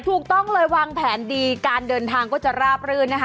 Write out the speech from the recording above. ถูกต้องเลยวางแผนดีการเดินทางก็จะราบรื่นนะคะ